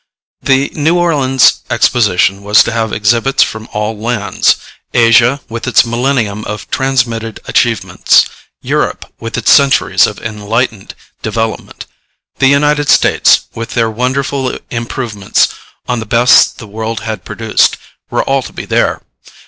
The New Orleans Exposition was to have exhibits from all lands: Asia, with its millennium of transmitted achievements; Europe, with its centuries of enlightened development; the United States, with their wonderful improvements on the best the world had produced, were all to be there.